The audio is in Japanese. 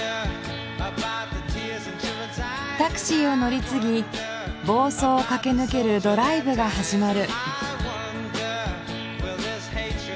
タクシーを乗り継ぎ房総を駆け抜けるドライブが始まる。